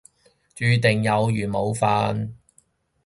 注定有緣冇瞓